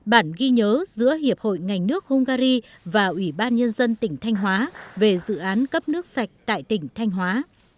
hai bản ghi nhớ giữa hiệp hội ngành nước hungary và ủy ban nhân dân tỉnh thanh hóa về dự án cấp nước sạch tại tỉnh thanh hóa